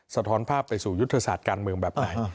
สะท้อนภาพไปสู่ยุทธศาสตร์การเมืองแบบไหน